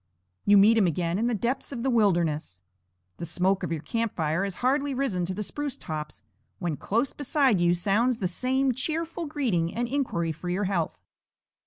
You meet him again in the depths of the wilderness. The smoke of your camp fire has hardly risen to the spruce tops when close beside you sounds the same cheerful greeting and inquiry for your health.